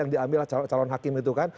yang diambil calon hakim itu kan